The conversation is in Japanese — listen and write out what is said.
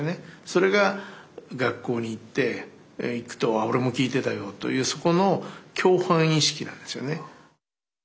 それが学校に行くと「ああオレも聴いてたよ」というそこの共犯意識なんですよね。